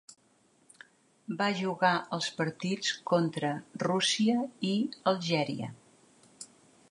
Va jugar als partits contra Rússia i Algèria.